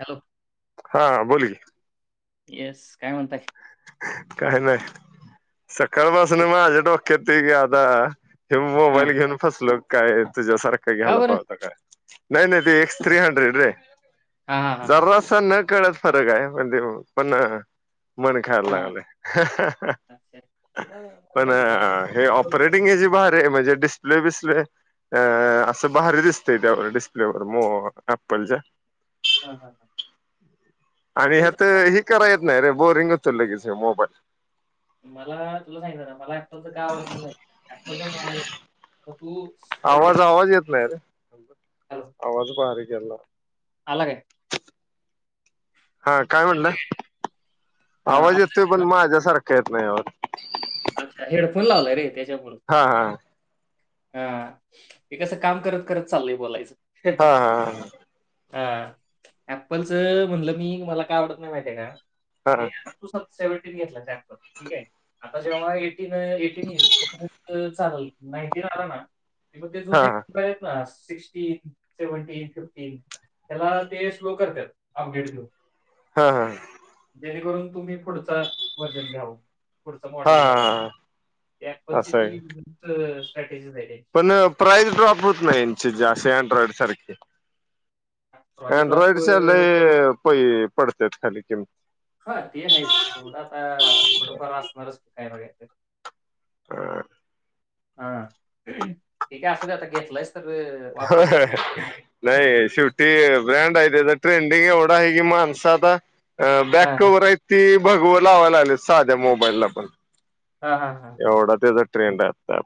Hello हा बोलिये. Yes काय म्हणताय? काय नाही सकाळ पाासून कुठ मझे डोक्या त ग आता.. हे हा मोबाईल घेऊन फसलो काय तुझ्यासारखं का घ्यायला बरं पावतं काय नाही. नाही तें एक्स थ्री हंड्रेड रे हा हा हा हा जरस नक् कळत फरक आहे म्हणजे पण मन खय हा, लागलंय. अच्छा तुला पण म्हणलेलं जरा हे ऍपल ऑपरेटिंग याची बार म्हज डिस्प्ले बिसप्ले अ हा हा असं भारीच त्याच्यावर डिस्पले [unintelligible] हा हा हा. आणि ऍपलचं हता का काय? हे करा येत नाही रे बोरिंग होत लगेच मोबाईल. मला तुला सांगित ना मला ऍपपलच काय आवडत नाय अँपलचा मोबाईल तू आवाज सेव्हन्टी आवाज येत नाही रे हॅलो आवाज बारीक यायला. आला काय. हा काय म्हटल, अं, आवाज येतोय अच्छा हेडफोन लावलाय रे त्याच्यामुूळे. हा हा, हे कस काम करत करत चाललय बोलायच. हा हा हा.. हा ऍलच म्हणल, मी मला काय आवडत नाही माहिती आहेय का? [unintelligible] हा त्या ठीक हे, आता जेव्हा एटीन एटीन येईल. एटीन आला ना, की ते हा जुने हा मोबाईल आहेत ना. सिक्टीन, सेव्हनटीन, फिफ्टीन त्याला ते स्लो करतात अपडेट घेऊन. हा हा.. जेणेकरून तुम्ही पुढचा वजन घ्याव. पुढच मॉडेल घ्यावा म्हणून, हा ते एप्पल ची असं आहे ती स्ट्रॅटेजीज आहे त्यांची. पण प्राइस ड्रॉप होत नाही यांचे जा अँड्रॉइड सारखे. प्राईस ड्रॉप अनड्रॉइडच्या ल पै पडते खाली किमती हा ते आहेच तेवढ आता थोडफार असणारच [unintelligible] [unintelligible] हह ठीक आहे. असू द्या आता घेतलायस तर अ, वापर नाही शेवटी ब्रँड आहे त्याचा ट्रेंडिंग ए माणस आता बॅक हा हा कव्हर आहेत ती, भगव लावाय लागले साध्या मोबाईलला पण, हा हा हा एवढा तेचा ट्रेंड आहे.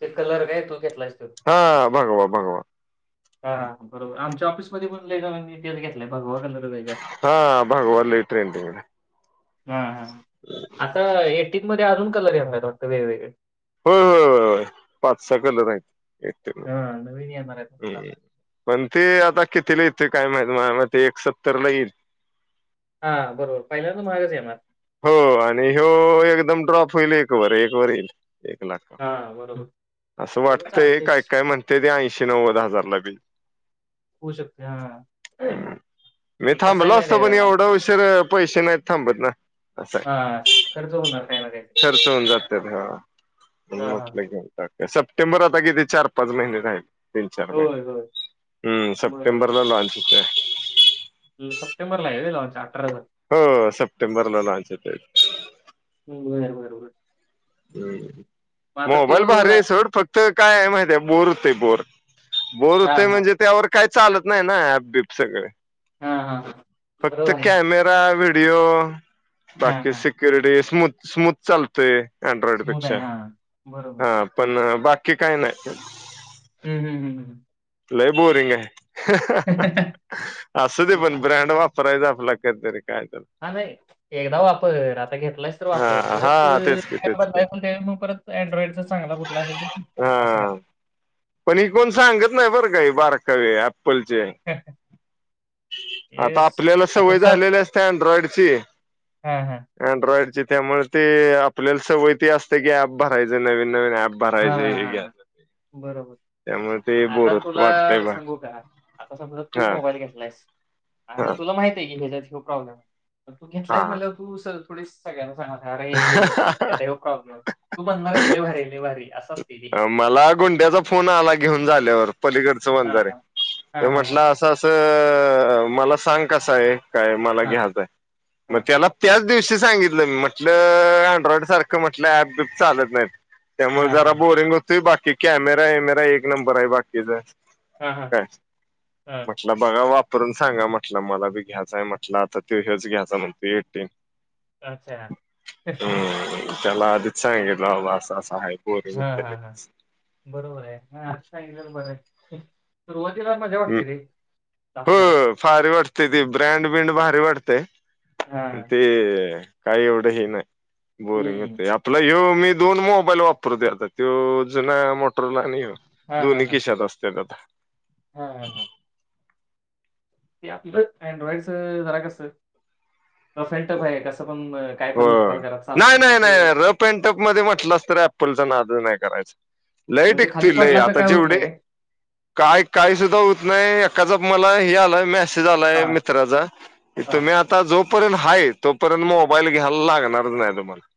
ते कलर काय तू घेतलायस तो हा भगवा, भगवा. हा बरोबर आमच्या ऑफिसमध्ये पण लय जणांनी तोच घेतलाय भगवा. कलर आहे जास्त हा भगवा लय ट्रेंडिंग ला. हा, हा आता एटीन मध्ये अजून कलर येणार आहेत वाटत वेगवेगळे होय होय होयय पाच सहा कलर आहेत. येते हा नवीन येणार हम्म आता. पण ते आता कितीला येते काय माहित ते एक सत्तरला येईल. हा बरोबर पहिल्यांद महागच येणार. हो आणि हो एकदम ड्रॉप होईल एक वर एक वर येईल. एक लाख हा बरोबर अस एवढं वाटतंय चालतंयच काय काय म्हणते ते आ एकशे नव्वद हजारलाबी होऊ शकते हा.. मी ते कसं थांबल आहे माहिती असतो आहे पण का एवढ उशिरा पैसे नाहीत थांबत ना. अस आहे. हा खर्च होणार काही ना काही खर्च होऊन जात ह. मी हा हा म्हटल की, आता काय सप्टेंबर आता किती चार पाच महिने राहिले. तीन, चार होय होय महिनेहम्म सप्टेंबरला लॉंच होतय. तूझ सप्टेंबरला आहे. [unintelligible] हो सप्टेंबर ला लाँंच होतंय. बर बर बर. हम्म मोबाईल भारी आहे. सोड फक्त काय आहे माहित आहे बोर होतंय बोर. बोर हां, होतय हां. म्हणजे, त्यावर काय चालत नाही ना ॲप बिप सगळ. हां, हां, हां. फक्त बरोबर आहे. कॅमेरा, व्हिडिओ हां, बाकी हां. सिक्युरिटी स्मूथ स्मूथ चालततय. अँड्रॉइड स्मूथ पेक्षा आहे. हां, बरोबर. हा पण बाकी काही नाही. हम् हम्म हम ह. लय बोरिंग आहे. हं. हां, असूदे पण ब्रँड वाप करायचा आपला कधी तर एक हा नाही एकदा वापर आता घेतलाइस तर वापर, हा परत हा तेच की काय मग तेच की बदलायच मग त्यावेळी मग परत. फक्त अँड्रॉइडचा चांगला कुठला असल तो फिक्स करायचा असं हा करायचं पण हे कोण सांगत नाही बरं का हे बारकावे एप्पलचे. आता येस. आपल्याला आता सवय सब झालेली असते अँड्रॉइडची हां, हां. अँड्रॉइडची त्यामुळे ते आपल्याला सवय ती असते, की ऍप भरायचे नवीन नवीन ऍप. हां, भरायचे हे हां, घ्यायचं ते बरोबर. त्यामुळे ते आता बोर तुला वाटतंय बा सांगू का आता समजा तू हा मोबाईल घेतलायस. आणि हा तुला माहित आहे की ह्याच्यात ह्यो प्रॉब्लेम आहे पण तू घेतलायस हा म्हटल्यावर तू थोडीच सगळ्यांना सांगणार. अरे घेऊ नको आता ह्यो प्रॉब्लेम आहे तू म्हणणारच लय भारी आहे लय भारी आहे मला गुंड्याचा फोन आला घेऊन झाल्यावर. पलीकडचं हा मांजर हा आहे तो हा हा म्हंटला असं असं मला सांग कसं आहे. काय मला हा घ्याचंय आहे मग हा त्याला त्याच दिवशी सांगितलं मी म्हटलं अँड्रॉइड सारखं म्हटलं ऍप बीप चालत नाहीत. हा हा. हँग होतोय बाकी कॅमेरा बीमेरा एक नंबर आहे बाकीचा हा हा काय हा हा. म्हटलं बघा वाप करून सांगा म्हटला मला बी घ्यायचाय म्हटला आता तो ह्योच घ्यायचाय म्हणतोय एटीन अच्छा. हम्म त्याला आधीच सांगितलं बाबा असं असं आहे पोर हा हा बरोबर आहे हा असं सांगितलेलं बर आहे सुरुवात तिला मजा वाटते रे दहा हो पंधरा दिवस फारी वाटते ती ब्रँड ब्रींड भारी वाटतंय हा ते. काय एवढं हे नाही बोरिंग हम्म होतय आपला ह्यो. मी दोन मोबाईल वापरतोय आता तो जुना मोटरला आहे हयो. हा हा दोन्ही हा खिशात असत्यात आता. हा हम हा ते आपलं अँड्रॉइडच जरा कस फें्टप तर एका सगळं हो नाही नाही नाही नाही, रफ अँड टफ मध्ये म्हटलास तर ऍपलचा नादच नाही करायचा. लय म्हणजे खाली टिकतोय लय पडला तर आता काय होत जेवढे नाही काय? काय काय सुद्धा होत नाही. एकाचा मला हे आलाय मेसेज आलाय हां, मित्राचा की हां. तुम्ही आता जोपर्यंत हाय तोपर्यंत मोबाईल घ्यायला लागणारच नाही तुम्हाला.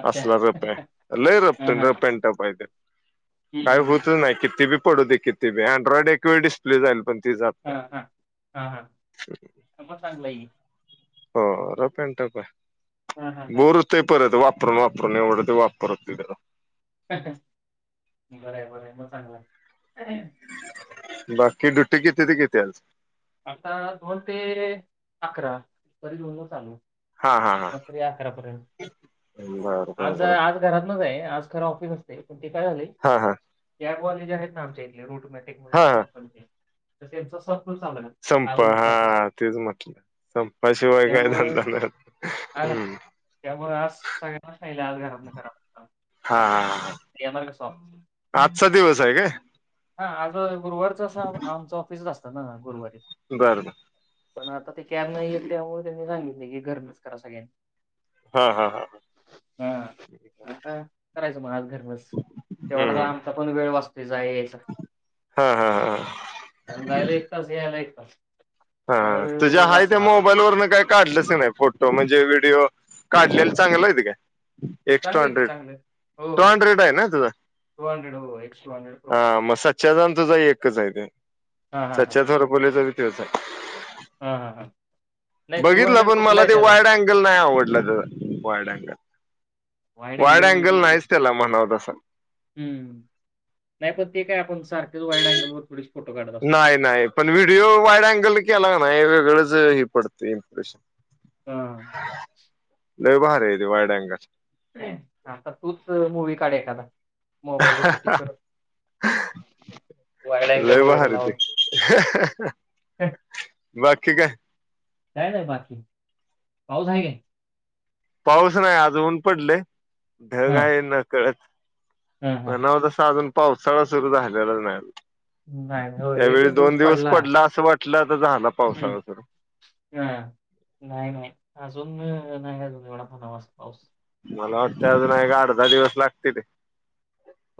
अच्छा. असला रफ आहे लय रफ हां, हां. रफ अँड टफ आहे ते. हं, काय हं, हं. होतच नाही किती बी पडू दे किती बी अँड्रॉइड एकवेेळ डिस्प्ले जाईल पण ती जात हा नाही हा हा हा मग चांगलं आहे की. हो रफ अँड टफ हां, हां, आहे हां. बोर होतयं परत वाप वापरून वापरून एवढं तर वापरतोय त्याला बरं आहे बरं आहे मग चांगलं आहे बाकी दुटी किती ते किती हाय आज? आता दोन ते अकरा. तरी दोनला चालू. हा हा हा रात्री अकरापर्यंत. बरं बरं आज बरं आज घरातन नाही आज करा ऑफिस असतय, पण ते काय झालय हा हा ट्याग वाले जे आहेत ना ते आमचे रूट ऑटोमॅटिक म्हणून हा एक हा कंपनी आहे, तर त्यांचा चालू आहे संप काल दुपारपासून. हा तेच म्हटलं. संपाशिवाय काय धंदा नाय. अ ना त्यामुळ आज सगळ्यांनाच सांगितलय आज घरातन करा म्हणून काम हा हा चालू येमर रेसोंस. [unintelligible] आजचा दिवस आहे काय आज गुरुवारच अस आमच ऑफिसच आसत ना गुरुवारी. बर बर. पण आता ते कॅर नाही येत त्यामुळे त्यांनी सांगितलय की घरनच करा सगळ्यांनी. हा हा हा हा. हा आता करायचं म आज घरनच. तेवढा आमचा पण वेळ वाचतोय जाया यायचा. हा हा हा कारण जायला एक तास, यायला एक तास. हा तेवढा वेळ तुझ्या हाय त्या वाचला आपला मोबाईल वरन काय काढलंस का नाय फोटो म्हणजे? जे व्हिडिओ काढलेल चांगल आहेत काय? एक्स्ट्रा चांगले आहे की हंड्रेड, चांगले हो टू हो हंड्रेड आहे ना तुझा? टू हंड्रेड होय, एक्स्ट्रा हंड्रेड प्रो. सच्याचा आणि तुझा एकच आहे ते हा हा हा सच्या थरपोलेचा बी तोच हाय. हा हा हा. नाही टू बघितलं हंड्रेड पण कुठला मला आहे ते त्याचा वाईट अँगल नाही आवडलं तेचा. वाईट अँगल वाईट अँगल नाहीच त्याला म्हणाव तसा. हम्म नाही पण ते काय आपण सारखं वाईट अँगल थोडी नाही नाही पण व्हिडिओ वाईट अँगलन केला कनाय वेगळंच हे पडतेय इम्प्रेशन. हां. लत भारी हाय त्यो वाईट अँगल. आता तूच मूवी् काढ एखादा. मोबाईल वर सेटींग कर वाईड अँगल लय वगैरे भारी लावून ते. हं, बाकी काय? काय नाय बाकी. पाऊस हाय काय? पाऊस नाही आज ऊन पडलय. ढग हा हाय नकळत. हा हा म्हणाव तस अजून पावसाळा सुरु झाल्याला नाही. नाही नाही हो त्यावेळी एकच दोन दिवस पडला, असं वाटलं आता झाला हम्म, पावसाळा सुरू. हा नाही नाही अजून नाही अजून एवढा म्हणावा असा पाऊस. मला वाटतय अजून एक आठ दहा दिवस लागत्या ते.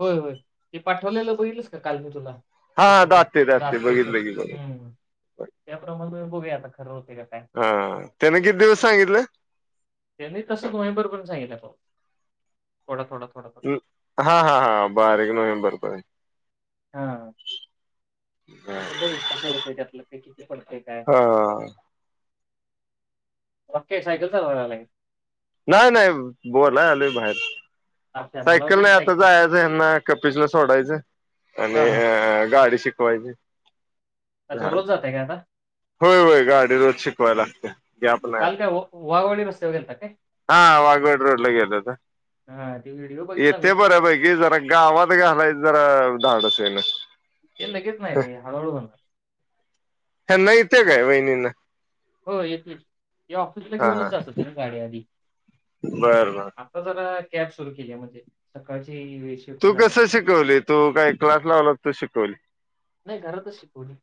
होय होय ते पाठवलेलं बघितलस का काल मी तुला? हा फोटो ते दाते दाते दातेच बघितल की बघ हम्म त्याप्रमाणे बघूया आता खरं होते का काय हा हा त्याने किती दिवस सांगितलं? त्यांनी तसं नोव्हेंबर पर्यंत सांगितल्याल. थोडा- थोडा. थोडा थोडा हा हा हा बारीक नोव्हेंबर पर्यंत. हा हा ते आता बघू कसं होतय त्यातलं काही हा हा हा वोके. सायकल चालवाय लागलाय काय? नाही नाही बोलाय आलोय बाहेर. अच्छा मला सायकल वाटलं की नाही आता जायचं हेना कपिचला सोडायचं. आणि हां, हां. अ गाडी शिक वायची. अच्छा रोज जाताय काय आता? होय होय गाडी रोज शिकवायला लागत्या गॅप नाही काल आता. काय व वाघवाडी रस्त्यावर गेलता काय? हा वाघवेड रोड ला गेलं होता. हां, ते व्हिडिओ बघितला मी. येथे बऱ्या पैकी जरा गावात घालायच जरा धाडस होई ना. ते लगेच नाही रे हळूहळू होणारं. त्यांना येते का वहिणीना हो येते ती ऑफिसला हा घेऊनच जातो होतें ना गाडी आधी बर बर आता जरा कॅब सुरू केली आहे म्हणजे सकाळची शिफ्ट तू कसं झाल्यापासून. शिकवली तू काय क्लास लावला तू शिकवली नाही घरातच शिकवली मी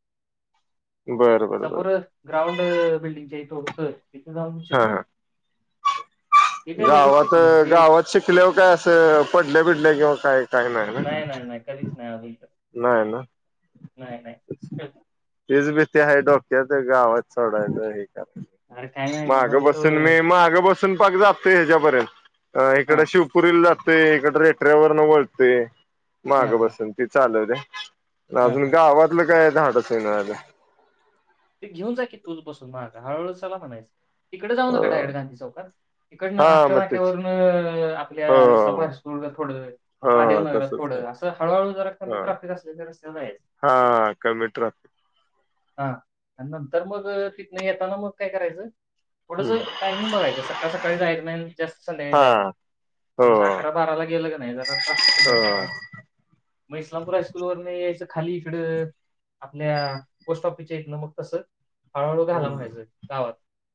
बरं बरं बरं समोर ग्राऊड अ बिल्डींगच्या इथ होत तीथ जाऊन हा शिकलो हा गावात ते गावात शिकल्यावर काय असं पडलं बिडलं किंवा काय. नाही नाही नाही कधीच नाही अजून तर नाहीय ना नाही, नाही. तेचं बे ते आहे डोक्यात गावांत सोडायचं आहे अरे काय नाही म्हणावं मागं बसून इथं मी मागं बसून पांक जातोय हेज्यापर्यंत अ इकड हां, शिवपुरीला जाते इकडं रेटऱ्यावरन वळते हां, मागं हां, बसून तिथं चालोय रे हां. आजून गावातलं काय धाडस होऊन झाले हळू चला म्हण्याचं तिकडे जाऊ नका म्हणा अ डायरेक्ट गांधी चौकात इकड हा आष्टा मग तेच नाक्यावरून हो आपल्या इस्लाबादकूल थोड थोड हो महादेव हो नगरांत तसच काय थोडं असं हळूहळू जरा कमी ह करता ट्राफिक असले तर रस्त्यावर जायचं हा कमीट्रफ हा नंतर मग तीथू येताना मग काय करायचं थोडस टायमिंग बघायचं सकाळ सकाळी जायचं नाही तर संध्याकाळी हा जायचं हो थोडंसं अकरा बाराला गेलं की थोडंसं ट्राफिक कमी हो असते ना मग इस्लामपूर हायस्कूलवर नाही यायचं खाली इकडं आपल्या पोस्ट ऑफिसच्या इथलं मग तसं हळू हळू घालाऊन द्यायचे गावांत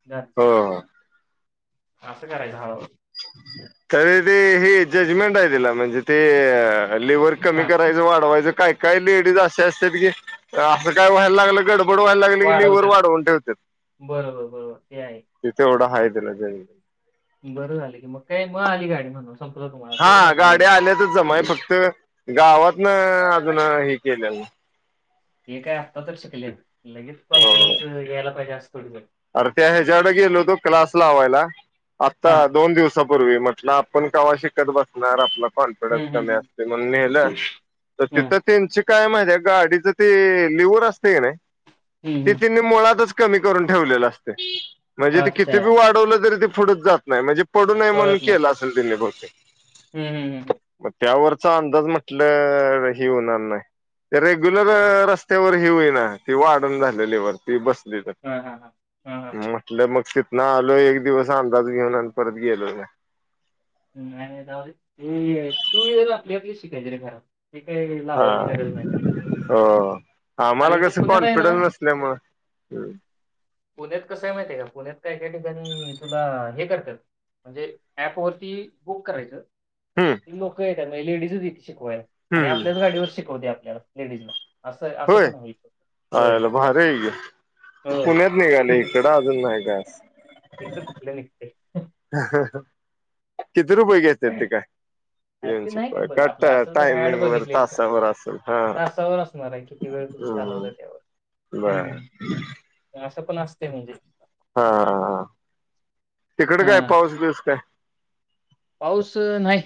जास्त हो हो. असं करायचं हळूहळू तरी ते हे जजमेंट दिले आहे तिला म्हणजे ते लीव्हर कमी हां, करायचं वाढवायचं काय काय लेडीज असे असतात की असं काय व्हायला लागलं गड बडवायला लागले की लिव्हर वाढवतात. वाढउन ठेवतात बरोबर, बरोबर. ते आहे. ते एवढं हातचं दिला जाईल बरं झाल मीळाली मग काय गाडी म्हणून संपलं तुम्हाला हा तेच महत्वाचं गाड्या असते. आल्यातच जमाय फक्तं गावांत न अजून हे केल्या वर हे काय आता तर शिकले लगेच नाही कॉन्फिडन्स या्यायला पाहिजे असे अरे त्याच्या्कडे गेलो होतो क्लास लावायला हां. आता दोन दिवसांपूर्वी म्हटलं आपणं केवा शिकत बसणारं आपलं कॉन्फिडन्स हं, हं, कमी हं. असते म्हणून नेलं अस्त तर हं, तिथं त्याची काय माझ्या गाडीच ते लिव्हर असते की नाही हं, हं. तेत्यानी मुळातच कमी करून ठेवलेल असते म्हणजे ते किती अच्छा. बी वाढवलं तरी ते फंडत जात नाही म्हणजे पडू नये म्हणून केलं असेल त्यानी भवतेक हम्म हम् हम् त्यावरचा अंदाज म्हटलं ही होणारं नाही रेग्युलर रस्त्यावर ही ही होई ना ती वाढून झालेली आहे वरती बस्ती हा हा हा म्हटलं मग तिथन आलों एक दिवस अंदाज घेऊन आणि परत गेलो ना आणि तू जाउदे तू गेला आपली शिकायची करायला हा हो अरे आमाला इथं कसं पुण्यात आहे ना, कॉन्फिडन्स नसल्यामुळें हम्म पुण्यातत कसं आहे. माहि आहे का पुण्यातत काय काय ठिकाणी तुला हे करतात म्हणजे ऍप वर त बुक करायचंय हम्म लोक येतात म्हणजे लेडीजच येती शिकवायला आणि हम्म आपल्याच गाडीवर शिकवते आपल्याला लेडीज ला होय हला भारी ये हो ग पुण्यात निघाले इकडं अजून नाही कायस इथं कुठलं निघते किती रुपये घेतात ते काय अ येऊन ते नाही काय शिकवाय बर का आपला टा असं ड टायमिंग वर बघितलेली प तासावर असेल हा तासावर असणार आहे किती वेळ चालवत हम्म त्यावर बर हम्म असं पण असते म्हणजे हा तिकड हा काय पाऊस बीस काय पाऊस नाही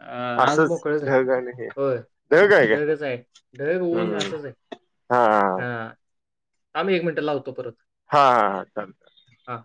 अं आज असंच बकळच ढग आहे आणि हे हो ढग काय ढगच आहे ढग होऊन हम्म असच आहे हा आम्ही एक मिनिट लावतो परत हा हा हा चाल हा